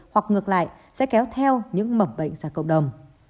hoặc ngược lại sẽ kéo theo những mầm bệnh ra cộng đồng